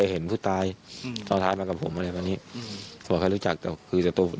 เขายังไม่ได้บอกอะไรครับ